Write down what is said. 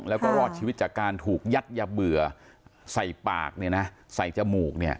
แล้วก็รอดชีวิตจากการถูกยัดยะเบือใส่ปากใส่จมูก